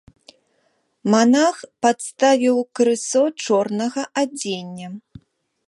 Манах падставіў крысо чорнага адзення.